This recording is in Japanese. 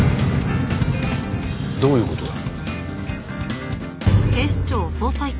どういう事だ？